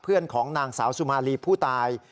เพื่อนของนางสาวซูมารีผู้ตาย